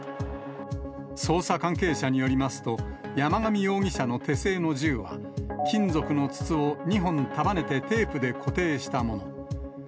捜査関係者によりますと、山上容疑者の手製の銃は、金属の筒を２本束ねてテープで固定したもの。